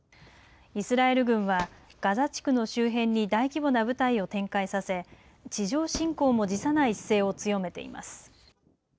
イスラエル軍はガザ地区の周辺に大規模な部隊を展開させ地上侵攻も辞さない姿勢を強めています。